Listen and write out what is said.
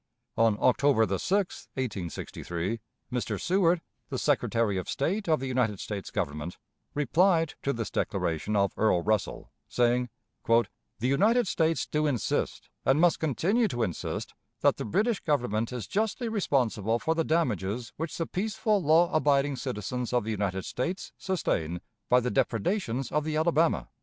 On October 6, 1863, Mr. Seward, the Secretary of State of the United States Government, replied to this declaration of Earl Russell, saying: "The United States do insist, and must continue to insist, that the British Government is justly responsible for the damages which the peaceful, law abiding citizens of the United States [!] sustain by the depredations of the Alabama."